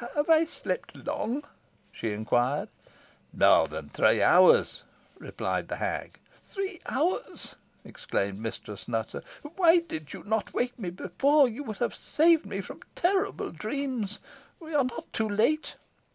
"Have I slept long?" she inquired. "More than three hours," replied the hag. "Three hours!" exclaimed Mistress Nutter. "Why did you not wake me before? You would have saved me from terrible dreams. We are not too late?"